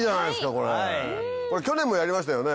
これ去年もやりましたよね？